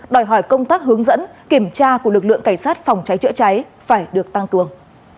đòi hỏi công tác hướng dẫn kiểm tra của lực lượng cảnh sát phòng cháy chữa cháy phải được tăng cường